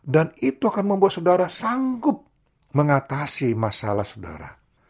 dan itu akan membuat saudara sanggup mengatasi masalah saudara